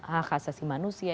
hak asasi manusia